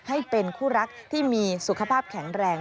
ให้เป็นคู่รักที่มีสุขภาพแข็งแรง